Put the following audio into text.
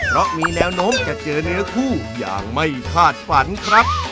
เพราะมีแนวโน้มจะเจอเนื้อคู่อย่างไม่คาดฝันครับ